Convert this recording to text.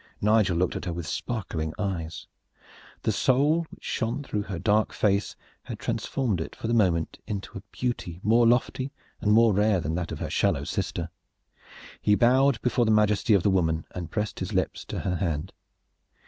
Nigel looked at her with sparkling eyes. The soul which shone through her dark face had transformed it for the moment into a beauty more lofty and more rare than that of her shallow sister. He bowed before the majesty of the woman, and pressed his lips to her hand.